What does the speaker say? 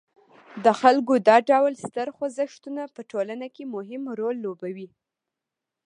د خلکو دا ډول ستر خوځښتونه په ټولنه کې مهم رول لوبوي.